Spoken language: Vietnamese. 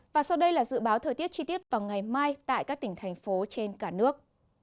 và sau đây là dự báo thời tiết chi tiết vào ngày mai tại các tỉnh thành phố trên cả nước